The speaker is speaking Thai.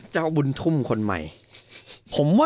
เจ้าบุญทุ่มคนใหม่